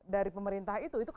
dari pemerintah itu